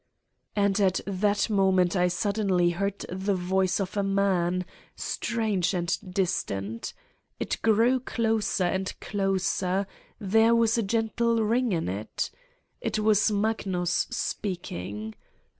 And at that moment I suddenly heard the voice of a man, strange and distant. It grew closer and 132 Satan's Diary closer, there was a gentle ring in it. It was Mag nus speaking.